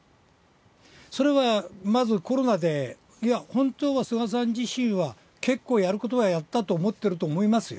それはまず、コロナで、いや、本当は菅さん自身は結構、やることはやったと思ってると思いますよ。